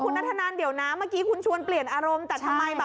คุณนาธนาลเดี๋ยวนะเมื่อกี้คุณชวนเปลี่ยนอารมณ์ตัดไทม์